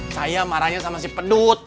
saya marahnya sama si pedut